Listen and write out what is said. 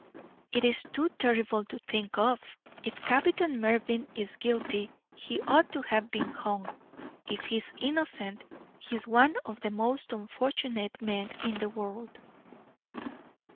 It is too terrible to think of. If Captain Mervyn is guilty, he ought to have been hung; if he is innocent, he is one of the most unfortunate men in the world.'